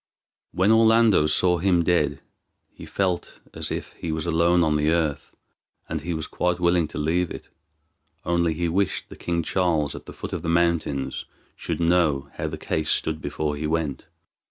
When Orlando saw him dead he felt as if he was alone on the earth, and he was quite willing to leave it, only he wished that King Charles, at the foot of the mountains, should know how the case stood before he went.